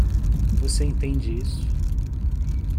Você entende isso?